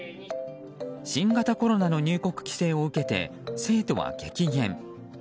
新型コロナの入国規制を受けて生徒は激減。